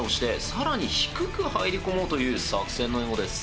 更に低く入り込もうという作戦のようです。